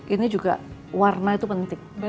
ini juga warna itu penting